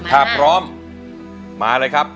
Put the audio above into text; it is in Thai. ถ้าพร้อมมาเลยครับ